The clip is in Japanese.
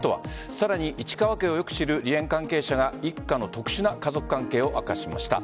さらに市川家をよく知る梨園関係者が一家の特殊な家族関係を明かしました。